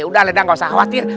udah lena gak usah khawatir